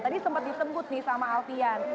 tadi sempat disebut nih sama alfian